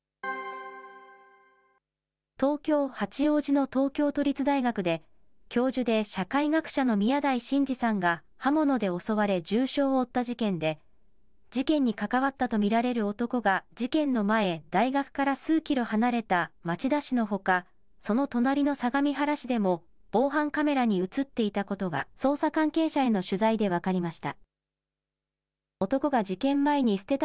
東京・八王子の東京都立大学で、教授で社会学者の宮台真司さんが刃物で襲われ重傷を負った事件で、事件に関わったと見られる男が事件の前、大学から数キロ離れた町田市のほか、その隣の相模原市でも防犯カメラに写っていたことが、捜査関係者への取材で分かりました。